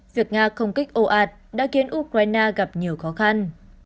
việc nga không kích ồ ạt đã khiến ukraine gặp nhiều khó khăn